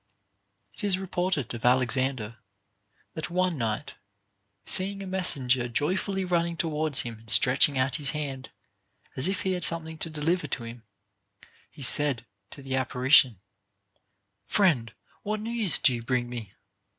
It is reported of Alexander, that one night seeing a messenger joyfully running towards him and stretching out his hand, as if he had something to deliver to him, he said to the apparition, Friend, what news do you bring me?